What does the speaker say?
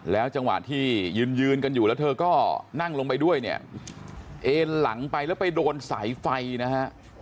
จังหวะที่ยืนยืนกันอยู่แล้วเธอก็นั่งลงไปด้วยเนี่ยเอ็นหลังไปแล้วไปโดนสายไฟนะฮะ